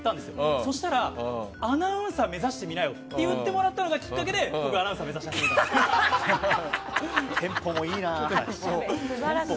そしたら、アナウンサー目指してみなよって言ってもらったのがきっかけで僕はアナウンサーを目指し始めたんです。